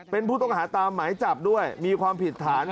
เป็นผู้ต้องหาตามหมายจับด้วยมีความผิดฐาน